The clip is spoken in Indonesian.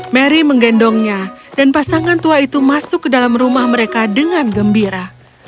mary menggendongnya dan pasangan tua itu masuk ke dalam rumah mereka dengan gembira